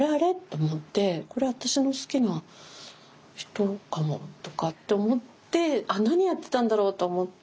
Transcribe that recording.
これ私の好きな人かもとかって思ってあっ何やってたんだろうと思って。